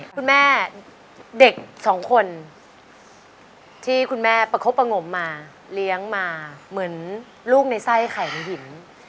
คุณแม่เด็กสองคนที่คุณแม่ประคบประงมมาเลี้ยงมาเหมือนลูกในไส้ไข่ในหิน